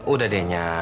udah deh nya